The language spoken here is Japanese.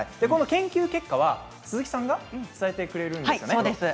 研究結果は鈴木さんが伝えてくれるんですよね。